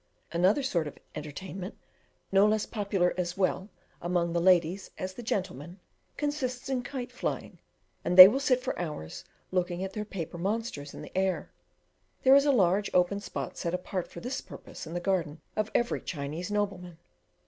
Another source of entertainment, no less popular, as well among the ladies as the gentlemen, consists in kite flying, and they will sit for hours looking at their paper monsters in the air. There is a large open spot set apart for this purpose in the garden of every Chinese nobleman.